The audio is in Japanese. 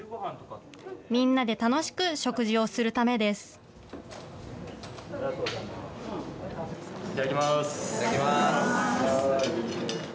みんなで楽しく食事をするためでいただきます。